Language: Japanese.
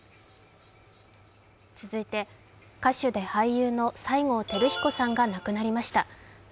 続いて、歌手で俳優の西郷輝彦さんが亡くなりました。